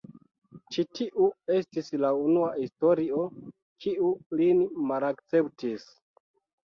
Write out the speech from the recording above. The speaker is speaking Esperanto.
Ĉi tiu estis la unua historio kiu lin malakceptis.